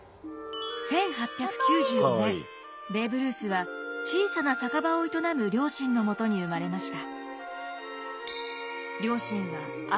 １８９５年ベーブ・ルースは小さな酒場を営む両親のもとに生まれました。